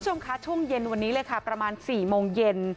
คุณผู้ชมคะช่วงเย็นวันนี้เลยค่ะประมาณ๔โมงเย็น